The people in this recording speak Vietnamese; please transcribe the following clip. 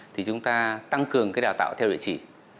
thì chúng ta tăng cường cái đào tạo theo địa chỉ